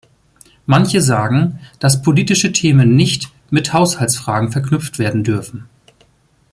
Manche sagen, dass politische Themen nicht mit Haushaltsfragen verknüpft werden dürfen.